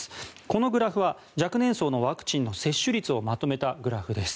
このグラフは若年層のワクチンの接種率をまとめたグラフです。